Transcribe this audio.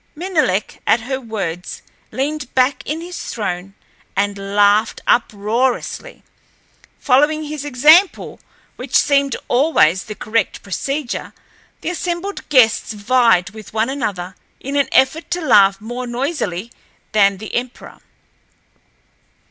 Menelek, at her words, leaned back in his throne and laughed uproariously. Following his example, which seemed always the correct procedure, the assembled guests vied with one another in an effort to laugh more noisily than the emperor.